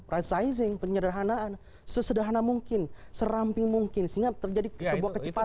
risizing penyederhanaan sesederhana mungkin seramping mungkin sehingga terjadi sebuah kecepatan